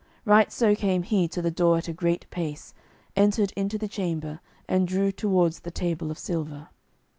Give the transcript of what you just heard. Right so came he to the door at a great pace, entered into the chamber, and drew towards the table of silver.